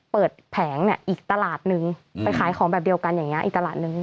แผงเนี่ยอีกตลาดนึงไปขายของแบบเดียวกันอย่างนี้อีกตลาดนึง